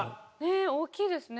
え大きいですね。